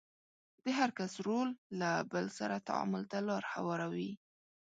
د هر کس رول له بل سره تعامل ته لار هواروي.